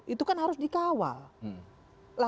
itu kan harus dikawal